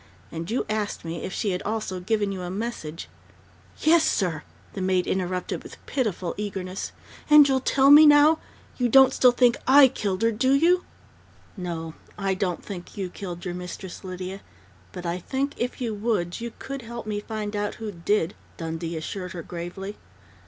And you asked me if she had also given you a message " "Yes, sir!" the maid interrupted with pitiful eagerness. "And you'll tell me now? You don't still think I killed her, do you?" "No, I don't think you killed your mistress, Lydia, but I think, if you would, you could help me find out who did," Dundee assured her gravely.